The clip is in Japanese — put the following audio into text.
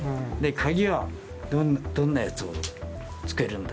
鍵はどんなやつをつけるんだ。